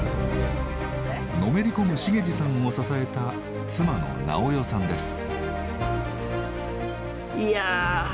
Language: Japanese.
のめり込む茂司さんを支えた妻の直代さんです。